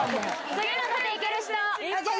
次の土手いける人？